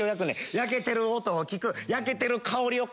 焼けてる音を聞く焼けてる香りを嗅ぐ。